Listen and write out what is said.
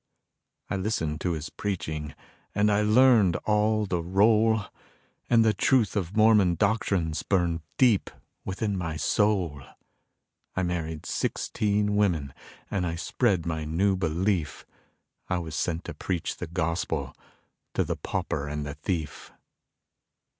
I listened to his preaching and I learned all the role, And the truth of Mormon doctrines burned deep within my soul. I married sixteen women and I spread my new belief, I was sent to preach the gospel to the pauper and the thief.